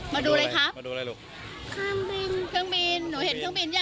มาดูอะไรครับ